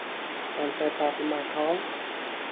ตามใจปากลำบากท้อง